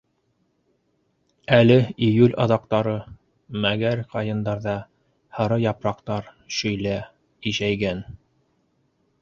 Әле июль аҙаҡтары, мәгәр ҡайындарҙа һары япраҡтар шөйлә ишәйгән.